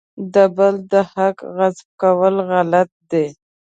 د بل د حق غصب کول غلط دي.